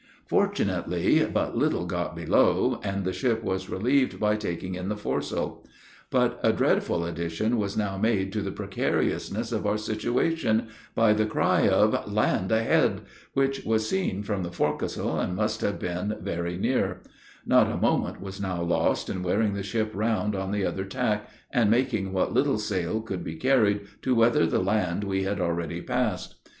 Fortunately, but little got below, and the ship was relieved by taking in the foresail. But a dreadful addition was now made to the precariousness of our situation, by the cry of "land a head!" which was seen from the forecastle, and must have been very near. Not a moment was now lost in wearing the ship round on the other tack, and making what little sail could be carried, to weather the land we had already passed.